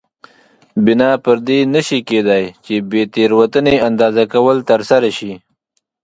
بنا پر دې نه شي کېدای چې بې تېروتنې اندازه کول ترسره شي.